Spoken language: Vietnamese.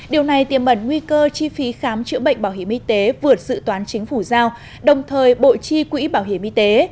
điều này tiềm mẩn nguy cơ chi phí khám chữa bệnh bảo hiểm y tế vượt sự toán chính phủ giao đồng thời bộ chi quỹ bảo hiểm y tế